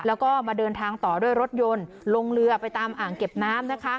แล้วก็มาเดินทางต่อด้วยรถยนต์ลงเรือไปตามอ่างเก็บน้ำนะคะ